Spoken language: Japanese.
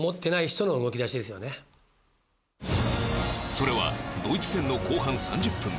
それはドイツ戦の後半３０分